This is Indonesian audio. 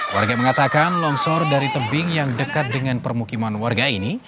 warga mengatakan longsor dari tebing yang dekat dengan permukiman warga ini